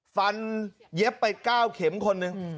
เย็บไป๙เข็มคนหนึ่ง